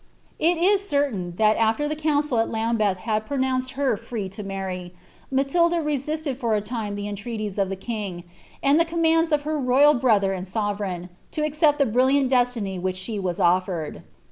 It is certain that after the council at Lambeth had pronounced her free to marry, Matilda resisted for a time the entreaties of the king, and the commands of her royal brother and sovereign, to accept the brilliant destiny which she was ofiered.